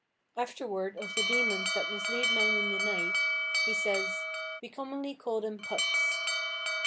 Afterward, of the dæmons that mislead men in the night, he says, "We commonly call them Pucks."